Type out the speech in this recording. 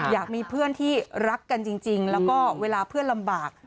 อยากมีเพื่อนที่รักกันจริงแล้วก็เวลาเพื่อนลำบาก